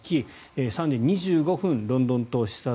３時２５分、ロンドン塔視察。